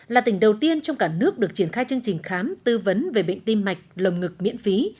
là tỉnh đầu tiên trong cả nước được triển khai chương trình khám tư vấn về bệnh tim mạch lồng ngực miễn phí